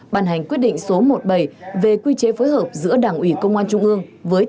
bàn hành quyết định số một mươi bảy về quy chế phối hợp giữa đảng ủy công an trung ương với tỉnh ủy